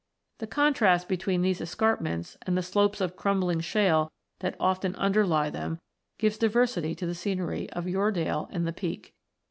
The contrast between these escarpments and the slopes of crumbling shale that often underlie them gives diversity to the scenery of Yoredale and the Peak.